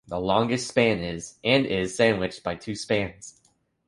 The longest span is and is sandwiched by two spans.